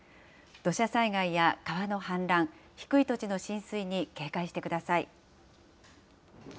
土砂災害や川の氾濫、低い土地の浸水に警戒してください。